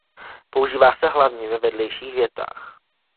Používá se hlavně ve vedlejších větách.